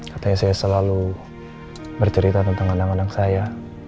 katanya saya selalu bercerita tentang anak anak saya